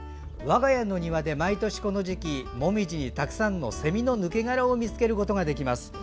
我が家の庭で毎年この時期紅葉にたくさんのセミの抜け殻を見つけることができます。